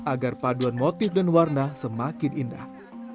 agar paduan motif dan warna semakin indah